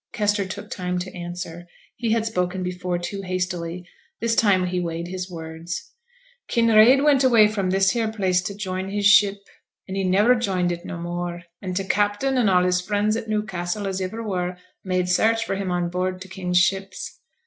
Kester took time to answer. He had spoken before too hastily, this time he weighed his words. 'Kinraid went away from this here place t' join his ship. An' he niver joined it no more; an' t' captain an' all his friends at Newcassel as iver were, made search for him, on board t' king's ships.